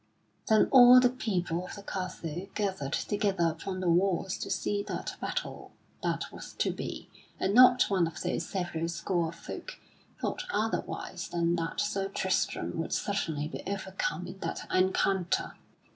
Then all the people of the castle gathered together upon the walls to see that battle that was to be, and not one of those several score of folk thought otherwise than that Sir Tristram would certainly be overcome in that encounter.